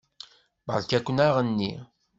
Beṛka-ken aɣenni.